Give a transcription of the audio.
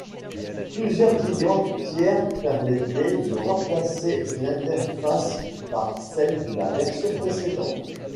Plusieurs clients tiers permettait de remplacer l'interface par celle de la version précédente.